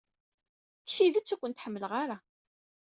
Deg tidet, ur ken-ḥemmleɣ ara.